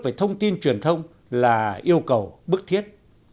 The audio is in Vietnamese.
về thông tin truyền thông là yêu cầu bức thiết